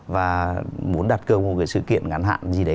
và muốn đặt cơ một sự kiện ngắn hạn gì đấy